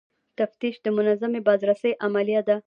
تفتیش د منظمې بازرسۍ عملیه ده.